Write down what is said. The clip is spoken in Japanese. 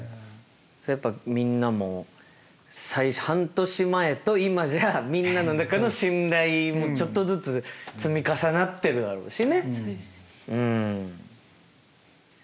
それやっぱみんなも半年前と今じゃみんなの中の信頼もちょっとずつ積み重なってるだろうしね。